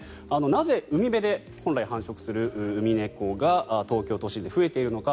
なぜ海辺で本来繁殖するウミネコが東京都心で増えているのか